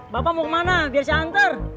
bapak mau kemana biar saya hantar